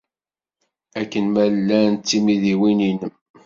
Akken ma llant d timidiwin-nnem?